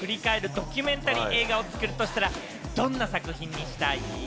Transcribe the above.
ドキュメンタリー映画を作るとしたら、どんな作品にしたい？